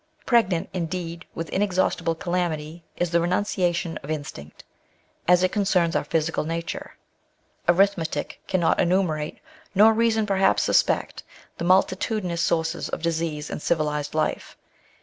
Pregnant, indeed, with inexhaustible calamity is the renunciation of instinct, as it concerns our physical nature ; arithmetic cannot enumerate, nor reason perhaps suspect, the multitudinous sources of disease in civilised life.